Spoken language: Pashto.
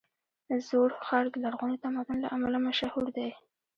زوړ ښار د لرغوني تمدن له امله مشهور دی.